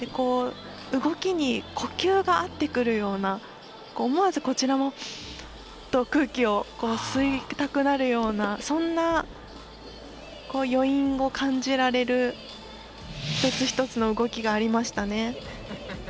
動きに呼吸が合ってくるような思わず、こちらも空気を吸いたくなるようなそんな余韻を感じられる一つ一つの動きがありましたね。